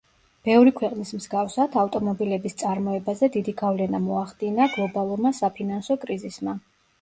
ბევრი ქვეყნის მსგავსად, ავტომობილების წარმოებაზე დიდი გავლენა მოახდინა გლობალურმა საფინანსო კრიზისმა.